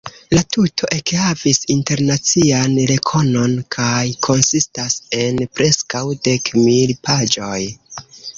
La tuto ekhavis internacian rekonon kaj konsistas en preskaŭ dek mil paĝoj.